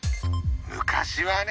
昔はね！